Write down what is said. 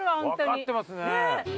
分かってますね。